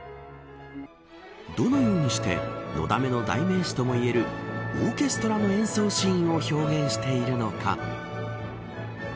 どのようにしてのだめの代名詞ともいえるオーケストラの演奏シーンを表現しているのか。